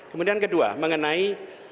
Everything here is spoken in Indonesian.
kemudian kedua mengenai